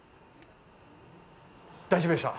大丈夫でした。